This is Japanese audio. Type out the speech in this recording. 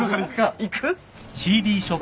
・行く？